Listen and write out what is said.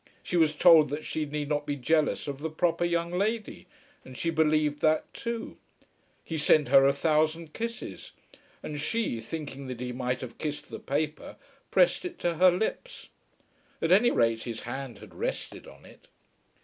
She was told that she need not be jealous of the proper young lady, and she believed that too. He sent her a thousand kisses; and she, thinking that he might have kissed the paper, pressed it to her lips. At any rate his hand had rested on it.